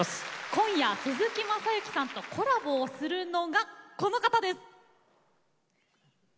今夜鈴木雅之さんとコラボをするのがこの方です。